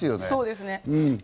そうですね。